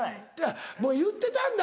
もう言ってたんだ。